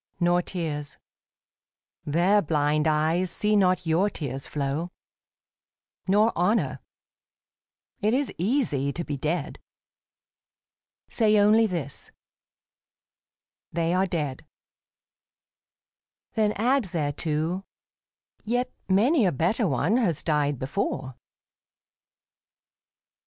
Nor tears. Their blind eyes see not your tears flow. Nor honour. It is easy to be dead. Say only this, " They are dead." Then add thereto, " Yet many a better one has died before."